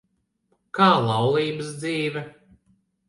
Kā laulības dzīve?